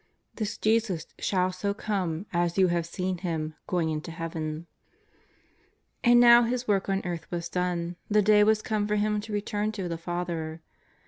''this JESUS SHALL SO COME AS YOU HAVE SEEN HIM GOING INTO heaven/'' And now His work on earth was done; the day was come for Him to return to the Father.